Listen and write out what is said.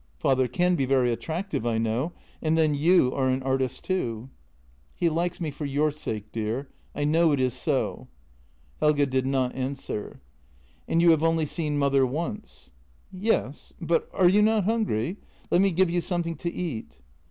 " Father can be very attractive, I know — and then you are an artist, too." " He likes me for your sake, dear. I know it is so." Helge did not answer. " And you have only seen mother once? " "Yes — but are you not hungry ? Let me give you some thing to eat."